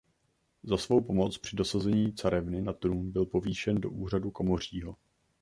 Za svou pomoc při dosazení carevny na trůn byl povýšen do úřadu komořího.